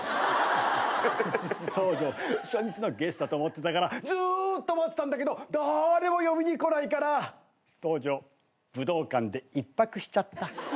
東條初日のゲストだと思ってたからずーっと待ってたんだけどだれも呼びに来ないから東條武道館で１泊しちゃった。